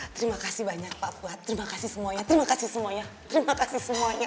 terima kasih banyak pak fuad terima kasih semuanya terima kasih semuanya terima kasih semuanya